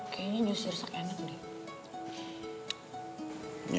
kayaknya jus sirsak enak nih